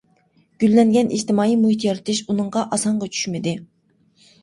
گۈللەنگەن ئىجتىمائىي مۇھىت يارىتىش ئۇنىڭغا ئاسانغا چۈشمىدى.